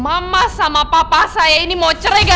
aku udah meriksa